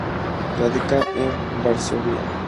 Radica en Varsovia.